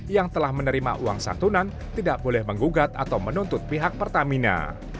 yang telah menerima uang santunan tidak boleh menggugat atau menuntut pihak pertamina